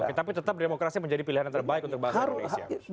oke tapi tetap demokrasi menjadi pilihan yang terbaik untuk bangsa indonesia